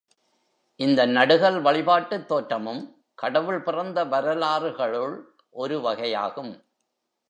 இந்த நடுகல் வழிபாட்டுத் தோற்றமும் கடவுள் பிறந்த வரலாறுகளுள் ஒருவகை யாகும்.